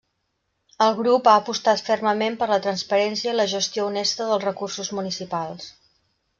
El grup ha apostat fermament per la transparència i la gestió honesta dels recursos municipals.